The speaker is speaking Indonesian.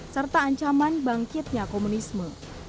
serta ancaman bangkitnya komunisme